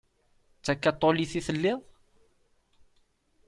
D takaṭulit i telliḍ?